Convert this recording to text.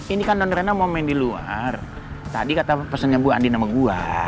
ini kan don rena mau main di luar tadi kata pesennya bu andien sama gue